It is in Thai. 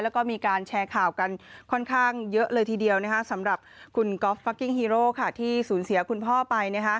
แล้วก็มีการแชร์ข่าวกันค่อนข้างเยอะเลยทีเดียวสำหรับคุณก๊อฟฟักกิ้งฮีโร่ที่สูญเสียคุณพ่อไป